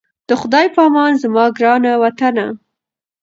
د خدای په امان زما ګرانه وطنه😞